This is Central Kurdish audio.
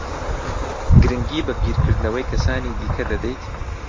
گرنگی بە بیرکردنەوەی کەسانی دیکە دەدەیت؟